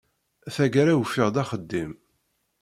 Tagara, ufiɣ-d axeddim.